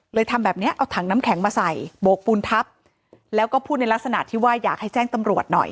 ทำแบบนี้เอาถังน้ำแข็งมาใส่โบกปูนทับแล้วก็พูดในลักษณะที่ว่าอยากให้แจ้งตำรวจหน่อย